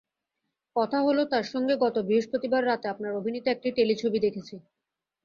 কথা হলো তাঁর সঙ্গেগত বৃহস্পতিবার রাতে আপনার অভিনীত একটি টেলিছবি দেখেছি।